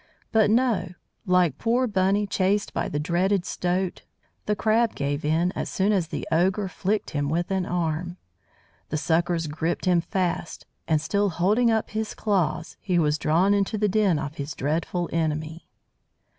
But no! Like poor Bunny chased by the dreaded Stoat, the Crab gave in as soon as the ogre flicked him with an arm. The suckers gripped him fast and, still holding up his claws, he was drawn into the den of his dreadful enemy.